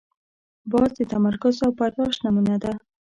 باز د تمرکز او برداشت نمونه ده